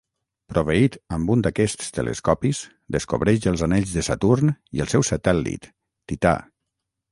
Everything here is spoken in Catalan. Proveït amb un d'aquests telescopis, descobreix els anells de Saturn i el seu satèl·lit, Tità.